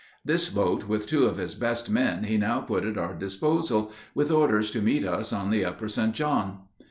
This boat with two of his best men he now put at our disposal, with orders to meet us on the upper St. John.